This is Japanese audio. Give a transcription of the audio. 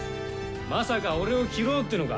まさか俺を斬ろうっていうのか？